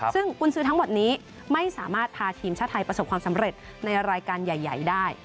ซึ่งกุญซื้อทั้งหมดนี้ไม่สามารถพาทีมชาติไทยประสบความสำเร็จในรายการใหญ่ได้